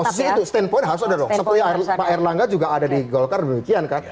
pasti itu standpoint harus ada dong seperti pak erlangga juga ada di golkar demikian kan